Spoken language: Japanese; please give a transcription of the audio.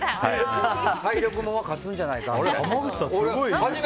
体力ものは勝つんじゃないか。